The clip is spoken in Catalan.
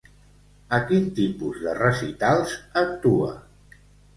A quin tipus de recitals actua?